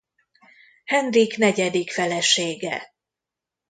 Henrik negyedik felesége.